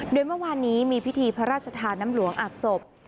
โดยเมื่อวานนี้มีพิธีพระราชทานน้ำหลวงอาบศพ